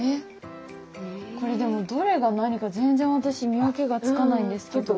これでもどれが何か全然私見分けがつかないんですけど。